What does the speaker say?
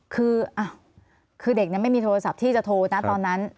อ๋อคืออ่ะคือเด็กเนี่ยไม่มีโทรศัพท์ที่จะโทรนะตอนนั้น